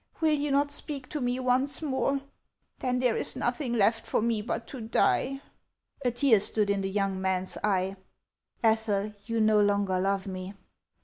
Will you not speak to me once more ? Then there is nothing left for me but to die/' A tear stood in the young man's eye. " Ethel, you no longer love me."